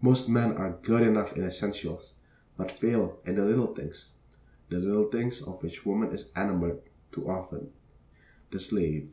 Most men are good enough in essentials, but fail in the little things; the little things, of which woman is enamored, too often, the slave.